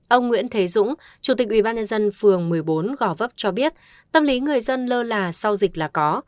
ông nguyễn thế dũng chủ tịch ubnd phường một mươi bốn gò vấp cho biết tâm lý người dân lơ là sau dịch là có